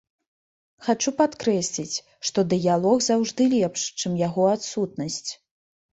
Хачу падкрэсліць, што дыялог заўжды лепш, чым яго адсутнасць.